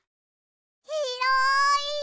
ひろい！